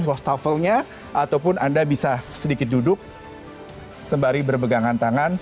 wastafelnya ataupun anda bisa sedikit duduk sembari berpegangan tangan